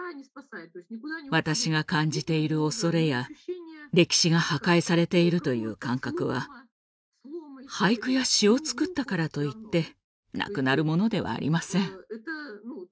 私が感じている恐れや歴史が破壊されているという感覚は俳句や詩を作ったからといってなくなるものではありません。